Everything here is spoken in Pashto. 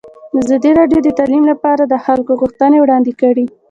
ازادي راډیو د تعلیم لپاره د خلکو غوښتنې وړاندې کړي.